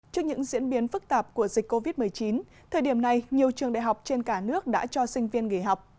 trước những diễn biến phức tạp của dịch covid một mươi chín thời điểm này nhiều trường đại học trên cả nước đã cho sinh viên nghỉ học